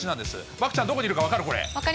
漠ちゃん、どこにいるか分かる？